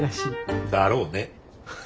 だろうね。